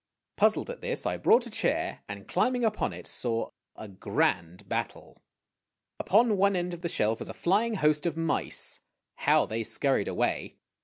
Puzzled at this, I brought a chair, and, climbing upon it, saw a grand battle. Upon one end of the shelf was a flying host of mice. How they scurried away!